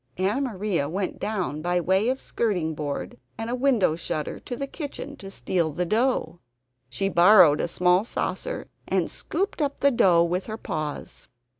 Anna Maria went down by way of skirting board and a window shutter to the kitchen to steal the dough. She borrowed a small saucer and scooped up the dough with her paws.